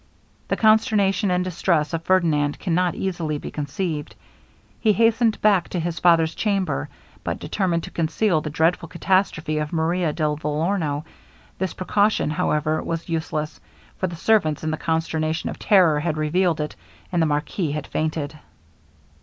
The consternation and distress of Ferdinand cannot easily be conceived: he hastened back to his father's chamber, but determined to conceal the dreadful catastrophe of Maria de Vellorno. This precaution, however, was useless; for the servants, in the consternation of terror, had revealed it, and the marquis had fainted.